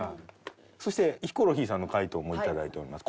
そしてヒコロヒーさんの回答も頂いております。